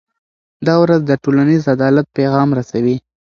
دا ورځ د ټولنیز عدالت پیغام رسوي.